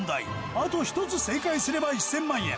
あと１つ正解すれば１０００万円